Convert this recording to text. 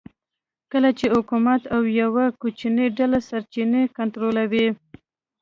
کله چې حکومت او یوه کوچنۍ ډله سرچینې کنټرولوي